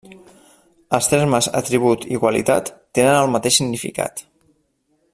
Els termes atribut i qualitat tenen el mateix significat.